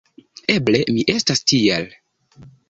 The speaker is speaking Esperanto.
Eble mi estas tiel.